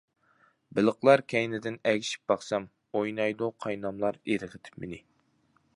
بېلىقلار كەينىدىن ئەگىشىپ باقسام، ئوينايدۇ قايناملار ئىرغىتىپ مېنى.